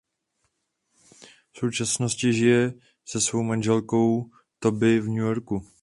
V současnosti žije se svou manželkou Toby v New Yorku.